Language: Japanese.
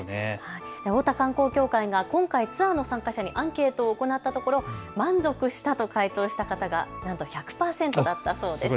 大田観光協会が今回ツアーの参加者にアンケートを行ったところ満足したと回答した方がなんと１００％だったそうです。